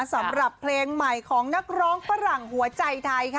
สำหรับเพลงใหม่ของนักร้องฝรั่งหัวใจไทยค่ะ